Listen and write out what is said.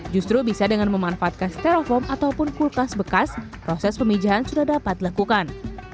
justru bisa dengan memanfaatkan stereofoam ataupun kulkas bekas proses pemijahan sudah dapat dilakukan